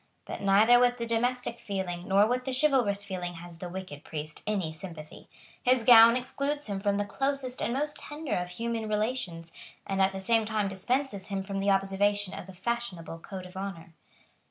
But neither with the domestic feeling nor with the chivalrous feeling has the wicked priest any sympathy. His gown excludes him from the closest and most tender of human relations, and at the same time dispenses him from the observation of the fashionable code of honour.